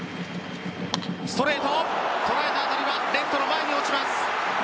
ストレート捉えた当たりはレフトの前に落ちます。